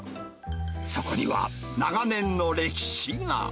そこには長年の歴史が。